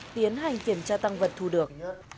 tiến hành kiểm tra tăng vật thu được